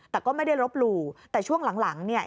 แต่ก็ไม่ได้ลบหลู่แต่ช่วงหลังเนี่ย